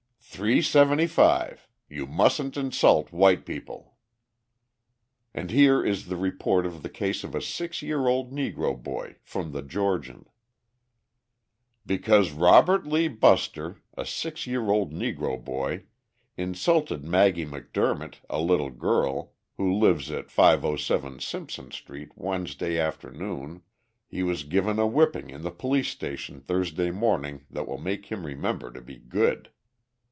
"Three seventy five you mustn't insult white people." And here is the report of the case of a six year old Negro boy from the Georgian: Because Robert Lee Buster, a six year old Negro boy, insulted Maggie McDermott, a little girl, who lives at 507 Simpson Street, Wednesday afternoon, he was given a whipping in the police station Thursday morning that will make him remember to be good.